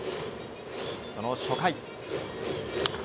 その初回。